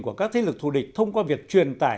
của các thế lực thù địch thông qua việc truyền tải